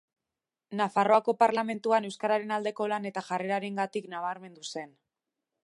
Nafarroako Parlamentuan, euskararen aldeko lan eta jarrerarengatik nabarmendu zen.